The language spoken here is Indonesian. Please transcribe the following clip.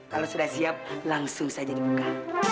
kalau sudah siap langsung saja dibuka